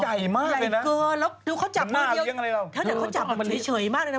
ถ้าเนี่ยเค้าจับเฉยมากที่นี่